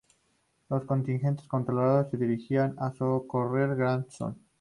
Los contingentes cantonales se dirigían a socorrer Grandson.